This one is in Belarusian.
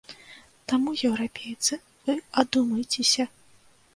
Таму, еўрапейцы, вы адумайцеся!